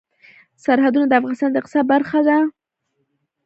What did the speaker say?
سرحدونه د افغانستان د اقتصاد برخه ده.